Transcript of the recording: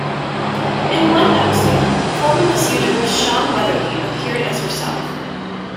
In one episode, former Miss Universe Shawn Weatherly appeared as herself.